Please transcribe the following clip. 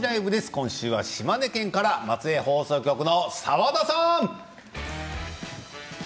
今週は島根県から松江放送局の澤田さん。